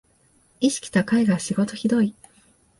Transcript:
意識高いが仕事ひどい